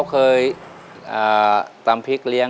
ตัวเลือกที่สี่ชัชวอนโมกศรีครับ